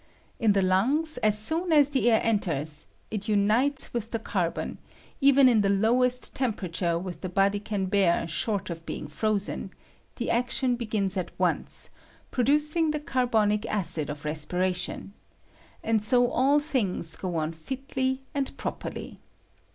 In the lungs, as soon as the air enters, it unites with the carbon ; even in the lowest tempera ture which the body can bear short of being CONCLUSION. 183 frozen, the actioa begins at once, producing the carbonic acid of respiration ; and so all things go on fitly and properly.